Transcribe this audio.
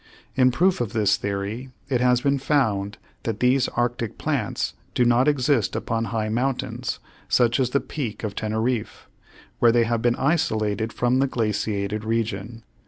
In proof of this theory it has been found that these arctic plants do not exist upon high mountains, such as the Peak of Teneriffe, where they have been isolated from the glaciated region.